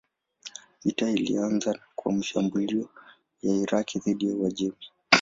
Vita ilianza kwa mashambulio ya Irak dhidi ya Uajemi.